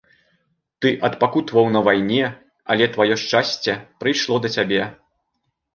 Ты адпакутаваў на вайне, але тваё шчасце прыйшло да цябе.